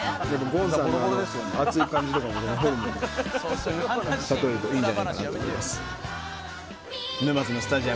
ゴンさんのあの熱い感じとかもホルモンに例えるといいんじゃないかなと思います。